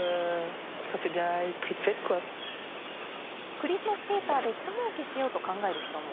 クリスマスセーターでひともうけしようと考える人も。